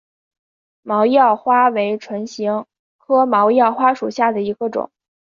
毛药花为唇形科毛药花属下的一个种。